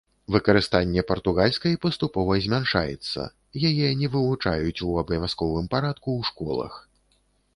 Выкарыстанне партугальскай паступова змяншаецца, яе не вывучаюць у абавязковым парадку ў школах.